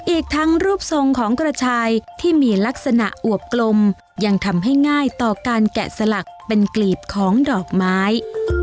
อีกทั้งรูปทรงของกระชายที่มีลักษณะอวบกลมยังทำให้ง่ายต่อการแกะสลักเป็นกลีบของดอกไม้